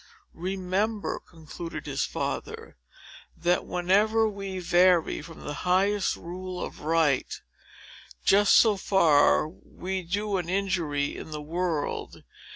"Remember," concluded his father, "that, whenever we vary from the highest rule of right, just so far we do an injury to the world.